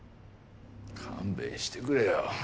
勘弁してくれよ。